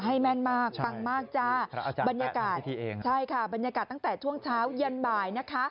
ให้แม่นมากฟังมากบรรยากาศตั้งแต่ท่วงเช้าเย็นบ่าย